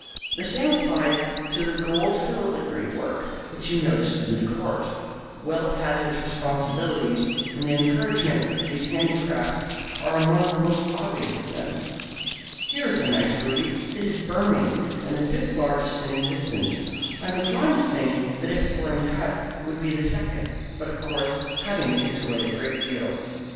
The same applies to the gold filigree work which you noticed in the court. Wealth has its responsibilities, and the encouragement of these handicrafts are among the most obvious of them. Here is a nice ruby. It is Burmese, and the fifth largest in existence. I am inclined to think that if it were uncut it would be the second, but of course cutting takes away a great deal."